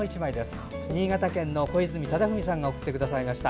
新潟県の小泉忠文さんが送ってくださいました。